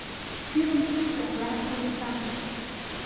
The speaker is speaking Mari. Пӱрым пуыза, вара колыштам.